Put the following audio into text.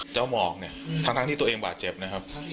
หมอกเนี่ยทั้งที่ตัวเองบาดเจ็บนะครับ